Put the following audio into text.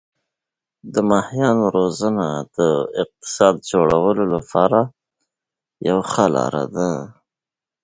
موږ باید د دې ژبې لپاره قرباني ورکړو.